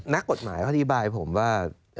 นักกฎหมายเขาอธิบายผมว่า